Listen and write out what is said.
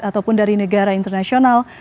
ataupun dari negara internasional